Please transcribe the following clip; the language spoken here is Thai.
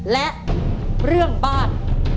และเรื่องบ้าน